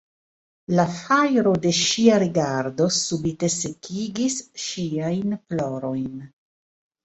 La fajro de ŝia rigardo subite sekigis ŝiajn plorojn.